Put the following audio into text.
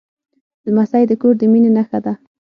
لمسی د کور د مینې نښه ده.